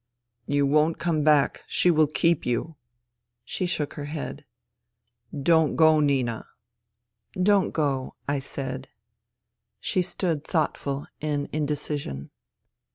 " You won't come back. She will keep you." She shook her head. " Don't go, Nina." " Don't go," I said. She stood thoughtful, in indecision.